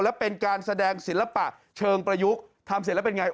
แล้วเป็นการแสดงศิลปะเชิงประยุกต์ทำเสร็จแล้วเป็นไง